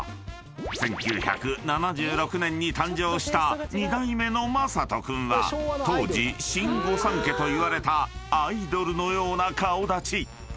［１９７６年に誕生した２代目のマサトくんは当時新御三家といわれたアイドルのような顔立ち］